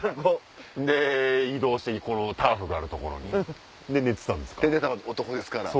で移動してこのタープがある所に。で寝てたんですから。